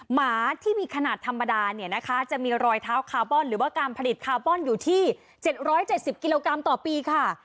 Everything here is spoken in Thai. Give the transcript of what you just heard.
หมาที่มีขนาดธรรมดาเนี่ยนะคะจะมีรอยเท้าคาร์บอนหรือว่าการผลิตคาร์บอนอยู่ที่๗๗๐กิโลกรัมต่อปีค่ะ